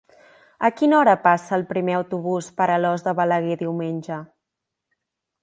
A quina hora passa el primer autobús per Alòs de Balaguer diumenge?